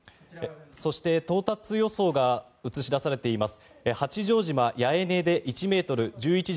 そして到達予想が映し出されています。